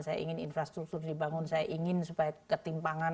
saya ingin infrastruktur dibangun saya ingin supaya ketimpangan